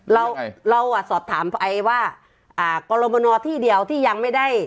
เราเราอ่ะสอบถามไปว่าอ่ากรมนที่เดียวที่ยังไม่ได้